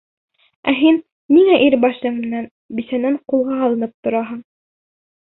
Ә һин ниңә ир башың менән бисәнән ҡулға алынып тораһың?